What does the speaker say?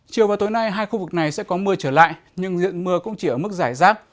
chiều và tối nay hai khu vực này sẽ có mưa trở lại nhưng diện mưa cũng chỉ ở mức giải rác